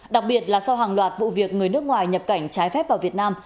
đặc biệt là sau hàng loạt vụ việc người nước ngoài nhập cảnh trái phép vào việt nam